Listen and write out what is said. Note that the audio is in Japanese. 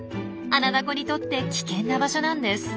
アナダコにとって危険な場所なんです。